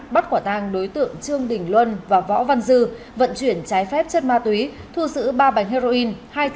bắt quả tang đối tượng trương đình luân và võ văn dư vận chuyển trái phép chất ma túy thu giữ ba bánh heroin